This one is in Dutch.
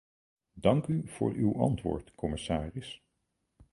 Dank u voor uw antwoord, commissaris.